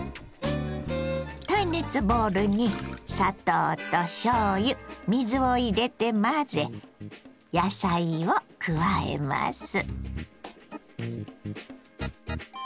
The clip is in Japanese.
耐熱ボウルに砂糖としょうゆ水を入れて混ぜ野菜を加えます。